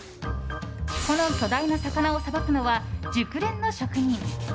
この巨大な魚をさばくのは熟練の職人。